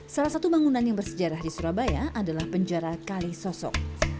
salah satu bangunan yang bersejarah di surabaya adalah penjara kalisosok